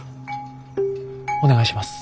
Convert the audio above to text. お願いします。